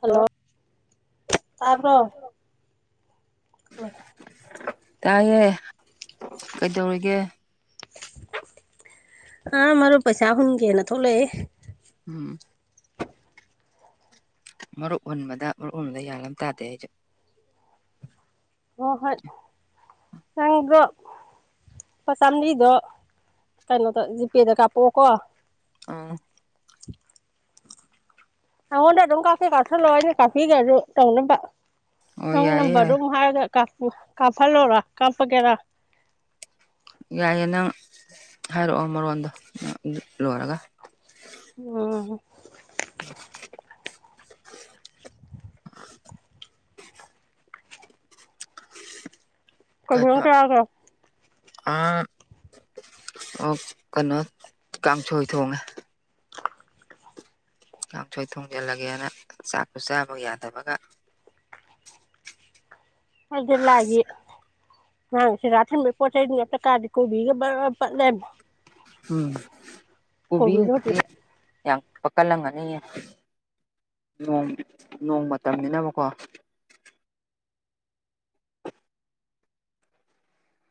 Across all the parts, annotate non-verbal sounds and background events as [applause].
Hello ꯇꯥꯕ꯭ꯔꯣ꯫ ꯇꯥꯏꯌꯦ ꯀꯩꯗꯧꯔꯤꯒꯦ? ꯑꯥ ꯃꯔꯨꯞ ꯄꯩꯁꯥ ꯍꯨꯟꯒꯦꯅꯥ ꯊꯣꯛꯂꯛꯏ꯫ ꯎꯝꯝ ꯃꯔꯨꯞ ꯍꯨꯟꯕꯗꯥ ꯃꯔꯨꯨꯞ ꯍꯨꯟꯕꯗꯥ ꯒꯌꯥꯟ ꯑꯃ ꯇꯥꯗꯦ ꯑꯩꯁꯨ ꯍꫭꯏ ꯍꯣꯏ [unintelligible] ꯂꯨꯄꯥ ꯆꯥꯝꯔꯤꯗꯣ ꯀꯩꯅꯣꯗ ꯖꯤꯄꯦꯗ ꯀꯥꯞꯄꯛꯑꯣꯀꯣ꯫ ꯑꯥꯝꯝ ꯅꯉꯣꯟꯗ ꯑꯗꯨꯝ ꯀꯥꯞꯀ° ꯀꯥꯞꯁꯤꯜꯂꯣ ꯑꯩꯅ ꯀꯥꯄꯤꯒꯁꯨ ꯇꯧꯅꯕ ꯑꯣ ꯅꯪ ꯌꯥꯏꯌꯦ ꯌꯥꯏꯌꯦ ꯅꯝꯕꯔꯗꯣ ꯑꯃꯨꯛ ꯍꯥꯏꯔꯒꯥ ꯀꯄꯨ ꯀꯄꯍꯜꯂꯣꯔꯥ ꯀꯄꯒꯦꯔꯥ ꯌꯥꯏꯌꯦ ꯅꯪ ꯍꯥꯏꯔꯛꯑꯣ ꯃꯔꯣꯟꯗꯣ ꯅꯪ ꯂꯣꯏꯔꯒꯥ꯫ ꯎꯝꯝꯝ [unintelligible] ꯀꯩ ꯑ°ꯟꯖꯥꯡ ꯆꯥꯔꯒ° ꯑ ꯑꫭ ꯀꯩꯅꯣ ꯀꯥꯡꯁꯣꯏ ꯊꯣꯡꯉꯦ꯫ ꯀꯥꯡꯁꯣꯏ ꯊꯣꯡꯖꯤꯜꯂꯒꯦꯅ ꯆꯥꯛꯀꯥ ꯆꯥꯕ ꯌꯥꯗꯕꯒꯥ ꯑꯩꯁꯦ ꯂꯥꯥꯏꯒꯤ ꯅꯍꯥꯟ ꯁꯤꯗꯥ ꯊꯤꯟꯕꯩ ꯄꯣꯠ ꯆꯩꯗꯨ ꯑꯃꯇ ꯀꯥꯗꯤ ꯀꯣꯕꯤꯒꯥ ꯕꯔꯕꯔ ꯄꯠ ꯂꯩꯔꯝꯃꯦ ꯎꯝ ꯀꯣꯕꯤ ꯀꯣꯕꯤꯗꯣ ꯍꯧꯖꯤꯛ ꯍꯧꯖꯤꯛꯇꯤ ꯌꯥꯝ ꯄꯛꯀꯠꯂꯝꯒꯅꯤꯌꯦ ꯅꯣꯡ ꯅꯣꯡ ꯃꯇꯝꯅꯤꯅꯕꯀꯣ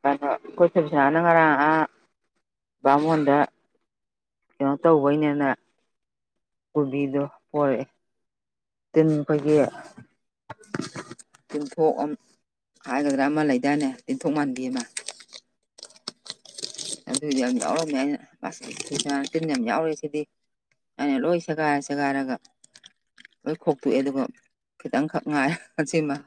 ꯑꯗꯣ ꯑꯩꯈꯣꯏ ꯊꯣꯏꯕꯤꯁꯅꯥ ꯅꯥ ꯉꯔꯡ ꯑꯥ ꯕꯥꯃꯣꯟꯗ ꯀꯩꯅꯣ ꯇꯧꯕꯩꯅꯦꯅꯦ ꯀꯣꯕꯤꯗꯣ ꯄꯣꯔꯛꯑꯦ ꯇꯤꯟ ꯑꯩꯈꯣꯏꯒꯤ ꯇꯤꯟꯊꯣꯛ ꯑꯝ ꯍꯥꯏꯒꯗ꯭ꯔꯥ ꯑꯃ ꯂꯩꯗꯥꯏꯅꯦ ꯇꯤꯟꯊꯣꯛ ꯃꯥꯟꯕꯤ ꯑꯃ ꯑꯗꯨꯗꯤ ꯌꯥꯝ ꯌꯥꯎꯔꯝꯃꯦ ꯑꯩꯅ [unintelligible] ꯇꯤꯟ ꯌꯥꯝ ꯌꯥꯎꯔꯦ ꯁꯤꯗꯤ ꯑꯩꯅ ꯂꯣꯏ ꯁꯦꯒꯥꯏꯔ ꯁꯦꯒꯥꯏꯔꯒ ꯂꯣꯏ ꯈꯣꯛꯇꯣꯛꯑꯦ ꯑꯗꯨꯒ ꯈꯤꯇꯪꯈꯛ ꯉꯥꯏ ꯑꯁꯤꯃ